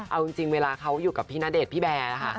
เอาจริงเวลาเธอยังอยู่กับพี่นาเดชน์พี่แบร์นะคะ